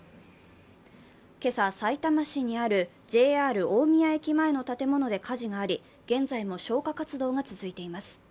今朝、さいたま市にあるＪＲ大宮駅前の建物で火事があり、現在も消火活動が続いています。